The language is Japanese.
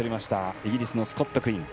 イギリスのスコット・クイン。